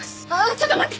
ちょっと待って！